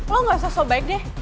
lo gak sosok baik deh